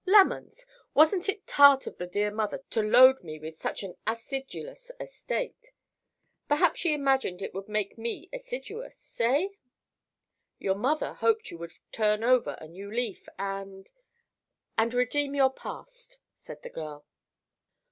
Lemons! Wasn't it tart of the dear mother to load me with such an acidulous estate? Perhaps she imagined it would make me assiduous—eh?" "Your mother hoped you would turn over a new leaf and—and redeem your past," said the girl.